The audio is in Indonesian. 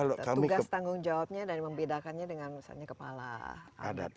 tugas tanggung jawabnya dan membedakannya dengan misalnya kepala adat